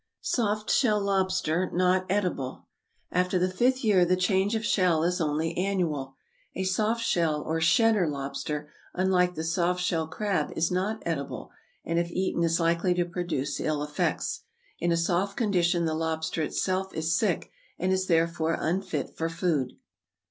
=Soft shell Lobster not edible.= After the fifth year the change of shell is only annual. A soft shell or shedder lobster, unlike the soft shell crab, is not edible, and if eaten is likely to produce ill effects. In a soft condition the lobster itself is sick, and is therefore unfit for food.